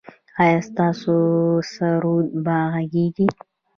ایا ستاسو سرود به غږیږي؟